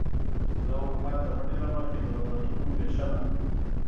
د حکومت د بڼې له مخې د دولتونو وېشنه